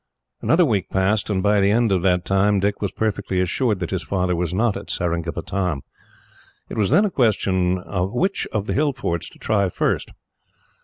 Another week passed, and by the end of that time, Dick was perfectly assured that his father was not at Seringapatam. It was then a question which of the hill forts to try first.